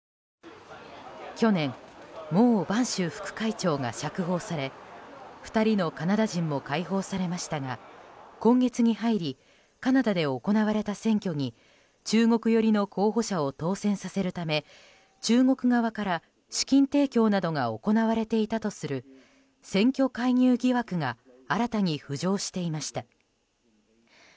去年、モウ・バンシュウ副会長が釈放され２人のカナダ人も解放されましたが今月に入りカナダで行われた選挙に中国寄りの候補者を当選させるため中国側から資金提供などが行われていたとする選挙介入疑惑が新たに浮上していました。